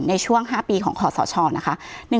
ในช่วง๕ปีของขอสชนะคะ